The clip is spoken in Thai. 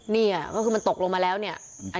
นี่ก็คือมันตกลงมาแล้วเนี่ย